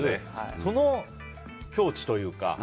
その境地というか。